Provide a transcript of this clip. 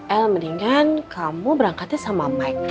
el mendingan kamu berangkatnya sama mike